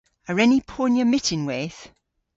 A wren ni ponya myttinweyth?